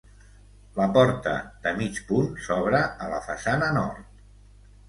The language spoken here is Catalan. La porta, de mig punt, s'obre a la façana nord.